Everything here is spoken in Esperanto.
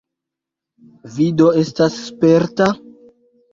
Vi do estas sperta?